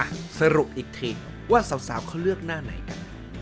สรุปอีกทีว่าสาวเขาเลือกหน้าไหนกัน